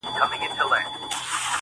د شپې بند اوبو وړی دئ.